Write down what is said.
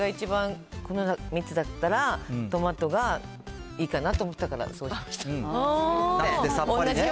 一番、この３つだったら、トマトがいいかなと思ったから、そうしさっぱりね。